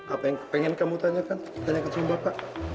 apa yang ingin kamu tanyakan tanyakan sama bapak